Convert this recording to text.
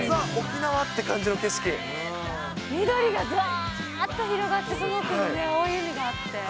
緑がだーっと広がって、その奥に青い海があって。